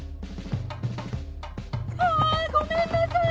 あ！ごめんなさい！